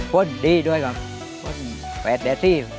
คนดีด้วยครับคนแปดแดดซี่